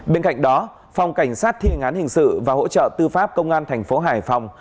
bên cạnh đó phòng cảnh sát thi hành án hình sự và hỗ trợ tư pháp công an thành phố hải phòng